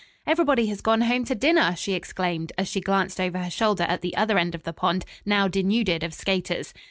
"Everybody has gone home to dinner!" she exclaimed, as she glanced over her shoulder at the other end of the pond, now denuded of skaters.